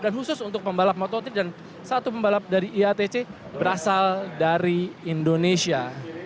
dan khusus untuk pembalap moto tiga dan satu pembalap dari iatc berasal dari indonesia